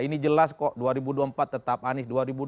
ini jelas kok dua ribu dua puluh empat tetap anies